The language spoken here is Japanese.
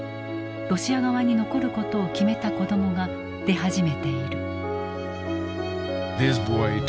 ロシア側に残ることを決めた子どもが出始めている。